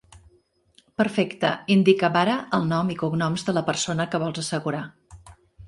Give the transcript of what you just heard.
Perfecte. Indica'm ara el nom i cognoms de la persona que vols assegurar.